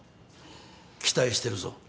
期待してるぞ。